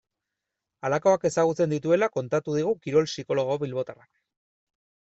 Halakoak ezagutzen dituela kontatu digu kirol psikologo bilbotarrak.